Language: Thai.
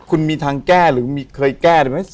คุณมีทางแก้หรือเคยแก้ได้ไหม